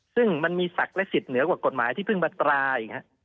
ซึ่งมันมีศักดิ์และสิทธิเหนือกว่ากฎหมายที่เพิ่งมาตราอีก